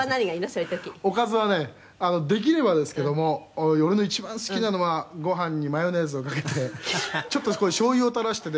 そういう時」「おかずはねできればですけども俺の一番好きなのはご飯にマヨネーズをかけてちょっとそこにしょうゆを垂らしてね